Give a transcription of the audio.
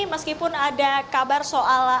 meskipun ada kabar soal